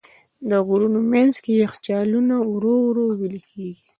د غرونو منځ کې یخچالونه ورو ورو وېلې کېږي.